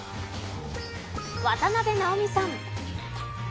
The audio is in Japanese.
渡辺直美さん